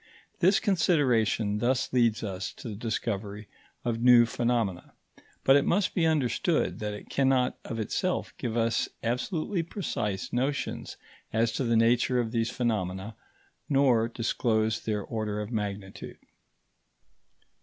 This consideration thus leads us to the discovery of new phenomena; but it must be understood that it cannot of itself give us absolutely precise notions as to the nature of these phenomena, nor disclose their order of magnitude.